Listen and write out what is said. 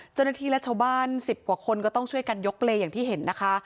เจ้าหน้าที่และชาวบ้าน๑๐กว่าคนก็ต้องช่วยกันยกเลอย่างที่เห็นนะคะ